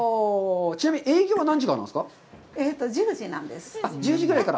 ちなみに営業は何時からなんですか？